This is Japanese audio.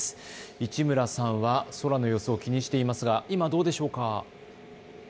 市村さんは空の様子を気にしていますが、今どうでしょうか。